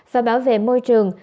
và bảo vệ môi trường